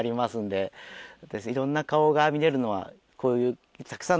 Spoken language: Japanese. いろんな顔が見れるのはこういう。